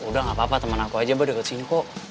gak apa apa temen aku aja abah deket sini kok